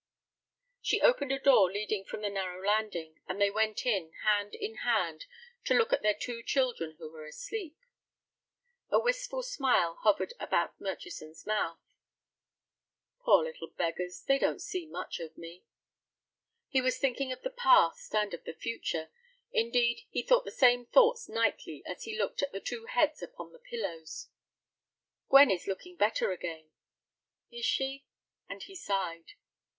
She opened a door leading from the narrow landing, and they went in, hand in hand, to look at their two children who were asleep. A wistful smile hovered about Murchison's mouth. "Poor little beggars, they don't see much of me!" He was thinking of the past and of the future. Indeed, he thought the same thoughts nightly as he looked at the two heads upon the pillows. "Gwen is looking better again." "Is she?" and he sighed.